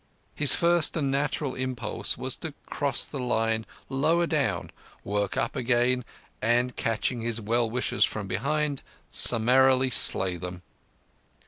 His first and natural impulse was to cross the line lower down, work up again, and, catching his well wishers from behind, summarily slay them.